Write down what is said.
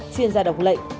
chuyên gia độc lệ